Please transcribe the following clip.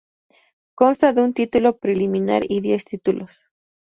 Consta de un Título Preliminar y diez Títulos.